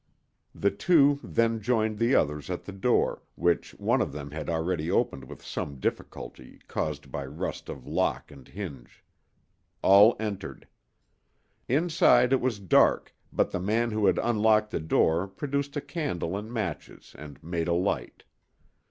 The two then joined the others at the door, which one of them had already opened with some difficulty, caused by rust of lock and hinge. All entered. Inside it was dark, but the man who had unlocked the door produced a candle and matches and made a light.